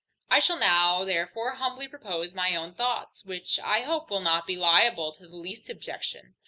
I shall now therefore humbly propose my own thoughts, which I hope will not be liable to the least objection.